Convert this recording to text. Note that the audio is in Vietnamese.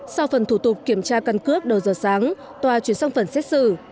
sau phần thủ tục kiểm tra căn cước đầu giờ sáng tòa chuyển sang phần xét xử